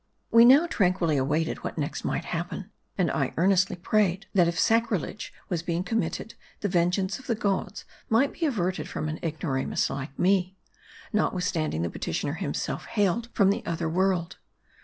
We now tranquilly awaited what next might happen, and I earnestly prayed, that if sacrilege was being commit ted, the vengeance of the gods might be averted from an ignoramus like me ; notwithstanding the petitioner himself hailed from the other world.